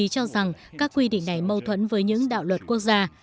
cho rằng các quy định này mâu thuẫn với những đạo luật quốc gia